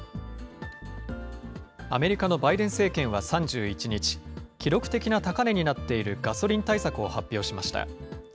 アメリカのバイデン政権は３１日、記録的な高値になっているガソリン対策を発表しました。